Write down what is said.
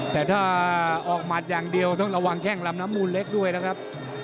แต่ถ้าออกหมัดอย่างเดียวต้องระวังแข้งลำน้ำมูลเล็กด้วยนะครับ